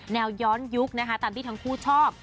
แววย้อนยุคนะคะตามที่ทั้งคู่ชอบ